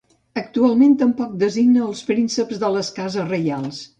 Actualment tampoc designa els prínceps de les cases reials.